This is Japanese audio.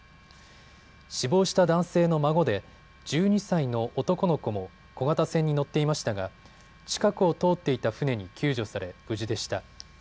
死亡した男性の孫で１２歳の男の子も小型船に乗っていましたが近くを通っていた船に救助され、無事でした。